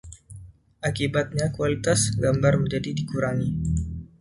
Akibatnya, kualitas gambar menjadi dikurangi.